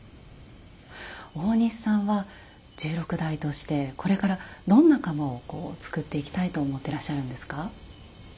大西さんは十六代としてこれからどんな釜を作っていきたいと思ってらっしゃるんですか？